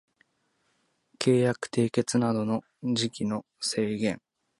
契約締結等の時期の制限